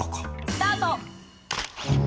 スタート！